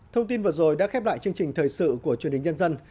thông tin vừa rồi đã khép lại chương trình thời sự của truyền hình nhân dân